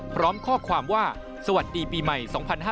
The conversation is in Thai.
พร้อมข้อความว่าสวัสดีปีใหม่๒๕๕๙